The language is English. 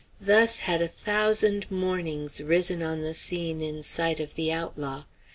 Thus had a thousand mornings risen on the scene in the sight of the outlaw.